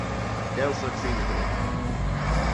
Cal succeeded him.